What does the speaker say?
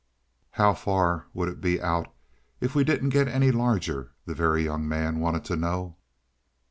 "How far would it be out if we didn't get any larger?" the Very Young Man wanted to know.